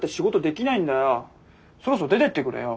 そろそろ出てってくれよ。